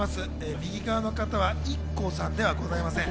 右側の方はＩＫＫＯさんではございません。